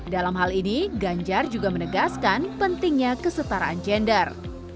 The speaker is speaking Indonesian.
dalam hal ini ganjar juga menegaskan pentingnya kesetaraan gender